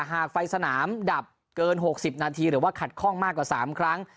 หากไฟสนามดับเกิน๖๐นาทีหรือว่าขัดข้องมากกว่า๓ครั้ง